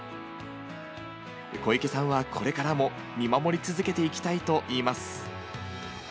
小池さんはこれからも見守り続けていきたいといいます。